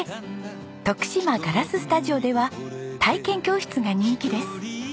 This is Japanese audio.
徳島ガラススタジオでは体験教室が人気です。